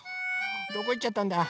どこいっちゃったんだ？